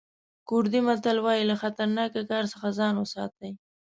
کوردي متل وایي له خطرناکه کار څخه ځان وساتئ.